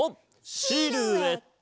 シルエット！